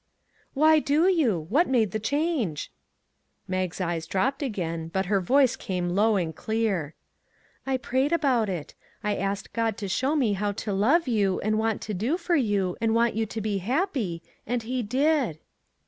" Why do you ? What made you change ?" Mag's eyes drooped again, but her voice came low and clear. " I prayed about it ; I asked God to show me how to love you, and want to do for you, and want you to be happy, and he did."